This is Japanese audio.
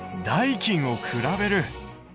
「代金を比べる」。